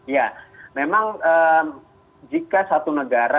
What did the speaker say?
ya memang jika satu negara